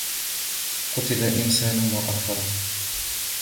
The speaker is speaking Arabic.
قتل الإنسان ما أكفره